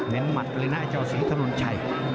เน้นหมัดเลยนะเจ้าศรีถนนชัย